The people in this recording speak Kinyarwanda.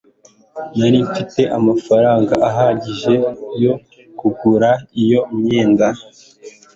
nari mfite amafaranga ahagije yo kugura iyo myenda